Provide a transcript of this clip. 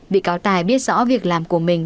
bị cáo tài biết rõ việc làm của mình